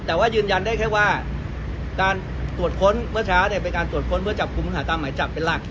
แต่ว่ายืนยันได้แค่ว่าการตรวจค้นเมื่อเช้าเนี่ยเป็นการตรวจค้นเพื่อจับกลุ่มหาตามหมายจับเป็นหลัก